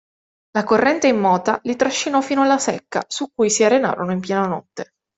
La corrente immota li trascinò fino alla secca, su cui si arenarono in piena notte.